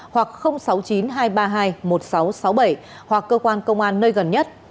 hoặc sáu mươi chín hai trăm ba mươi hai một nghìn sáu trăm sáu mươi bảy hoặc cơ quan công an nơi gần nhất